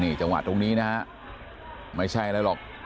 จังหวะตรงนี้นะฮะไม่ใช่อะไรหรอก